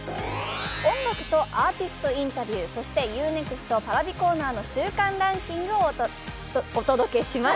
音楽とアーティストインタビュー、そしてＵ−ＮＥＸＴＰａｒａｖｉコーナーの週間ランキングをお届けします。